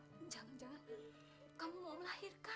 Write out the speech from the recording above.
jangan jangan kamu mau melahirkan